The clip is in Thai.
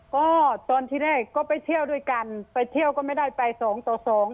ก็ตอนที่แรกก็ไปเที่ยวด้วยกันไปเที่ยวก็ไม่ได้ไปสองต่อสอง